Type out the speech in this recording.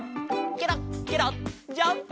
ケロッケロッジャンプ！